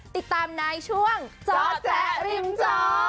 ติดตามในช่วงจอแจ๊ริมจอ